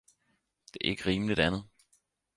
Det er ikke rimeligt andet